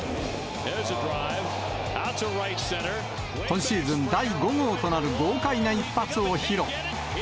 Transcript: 今シーズン第５号となる豪快な一発を披露。